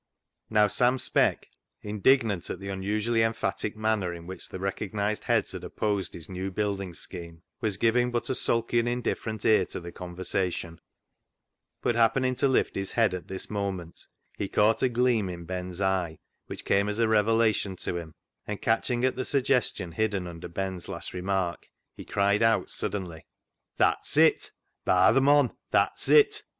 Now, Sam Speck, indignant at the unusu ally emphatic manner in which the recognised heads had opposed his new building scheme, was giving but a sulky and indifferent ear to the conversation, but happening to lift his head at this moment, he caught a gleam in Ben's eye which came as a revelation to him, and catching at the suggestion hidden under Ben's last remark, he cried out suddenly —" That's it ! By th' mon, that's it